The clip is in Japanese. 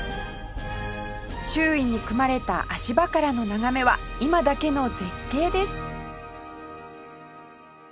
周囲に組まれた足場からの眺めは今だけの絶景です